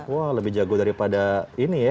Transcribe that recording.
wah lebih jago daripada ini ya